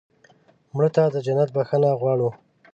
مړه ته د جنت بښنه غواړو